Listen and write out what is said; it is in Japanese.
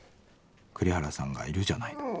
栗原さんがいるじゃない」だって。